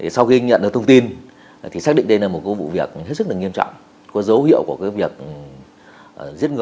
sau khi nhận được thông tin thì xác định đây là một cái vụ việc rất là nghiêm trọng có dấu hiệu của cái việc giết người